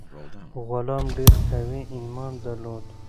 غلام ډیر قوي ایمان درلود.